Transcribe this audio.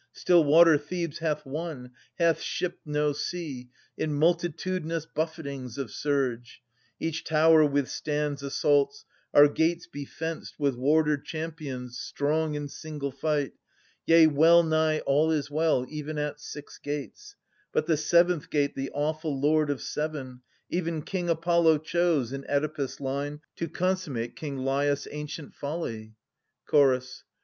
Still water Thebes hath won, hath shipped no sea In multitudinous buffetings of surge. Each tower withstands assaults ; our gates be fenced With warder champions strong in single fight. Yea, well nigh all is well — even at six gates : But the seventh gate the awful Lord of Seven, 800 Even King Apollo, chose, in Oedipus' line To consummate king Laius* ancient folly. Chorus.